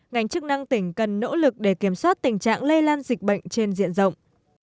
ngành chức năng tỉnh cần nỗ lực để kiểm soát tình trạng lây lan dịch bệnh trên diện rộng